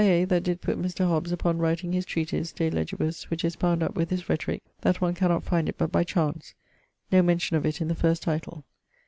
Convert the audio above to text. A. that did putt Mr. Hobbes upon writing his treatise De Legibus, which is bound up with his Rhetorique that one cannot find it but by chance; no mention of it in the first title.